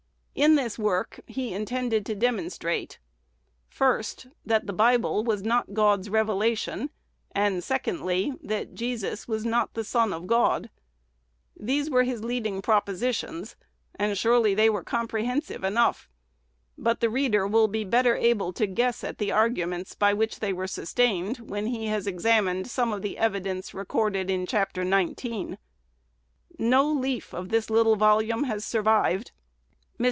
In this work he intended to demonstrate, "First, that the Bible was not God's revelation; and, "Secondly, that Jesus was not the Son of God." These were his leading propositions, and surely they were comprehensive enough; but the reader will be better able to guess at the arguments by which they were sustained, when he has examined some of the evidence recorded in Chapter XIX. No leaf of this little volume has survived. Mr.